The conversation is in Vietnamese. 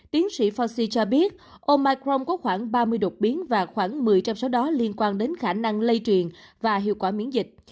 tiến sĩ faci cho biết omicron có khoảng ba mươi đột biến và khoảng một mươi trong số đó liên quan đến khả năng lây truyền và hiệu quả miễn dịch